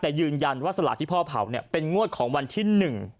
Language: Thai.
แต่ยืนยันว่าสลากที่พ่อเผาเนี่ยเป็นงวดของวันที่๑